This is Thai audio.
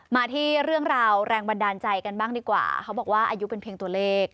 มาที่เรื่องราวแรงบันดาลใจกันบ้างดีกว่าเขาบอกว่าอายุเป็นเพียงตัวเลข